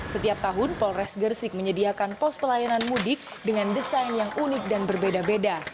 setiap tahun polres gersik menyediakan pos pelayanan mudik dengan desain yang unik dan berbeda beda